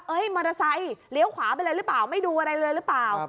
มอเตอร์ไซค์เลี้ยวขวาไปเลยหรือเปล่าไม่ดูอะไรเลยหรือเปล่า